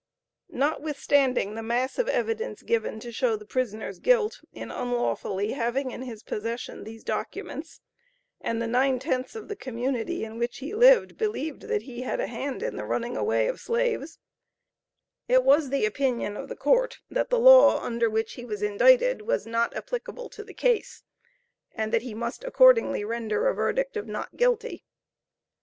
Notwithstanding the mass of evidence given, to show the prisoner's guilt, in unlawfully having in his possession these documents, and the nine tenths of the community in which he lived, believed that he had a hand in the running away of slaves, it was the opinion of the court, that the law under which he was indicted, was not applicable to the case, and that he must, accordingly, render a verdict of not guilty.